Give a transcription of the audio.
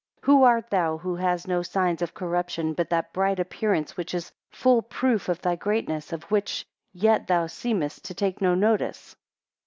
3 Who art thou, who has no signs of corruption, but that bright appearance which is a full proof of thy greatness, of which yet thou seemest to take no notice?